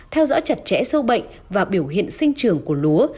theo dõi chặt chẽ sâu bệnh và biểu hiện sinh trường của lúa